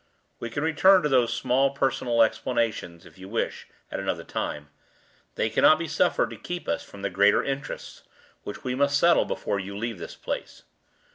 We can return to these small personal explanations, if you wish it, at another time; they cannot be suffered to keep us from the greater interests which we must settle before you leave this place.